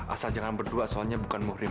asal jangan berdua soalnya bukan muhrib